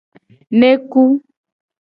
Neku.